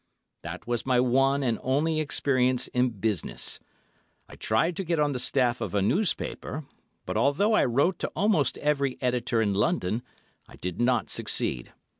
That was my one and only experience in business. I tried to get on the staff of a newspaper, but although I wrote to almost every editor in London, I did not succeed.